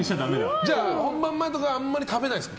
じゃあ、本番前とかあんまり食べないですか？